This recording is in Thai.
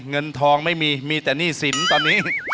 เงินทองไม่มีมีแต่หนี้สินตอนนี้